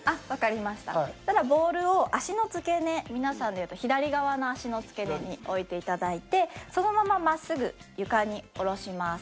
そしたらボールを足の付け根皆さんでいうと左側の足の付け根に置いて頂いてそのまま真っすぐ床に下ろします。